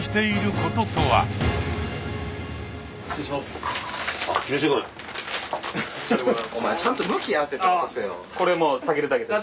これもう下げるだけです。